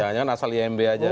jangan asal imb saja